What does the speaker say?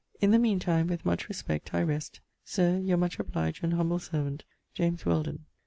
In the mean time, with much respect, I rest, Sir, your much obliged and humble servant, JAMES WHELDON.